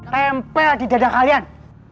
tempel di dada kalian